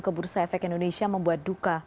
ke bursa efek indonesia membuat duka